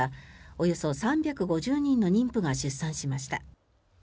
およそ３５０人の妊婦が出産しました。